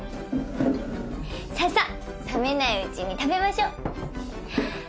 ささっ冷めないうちに食べましょ。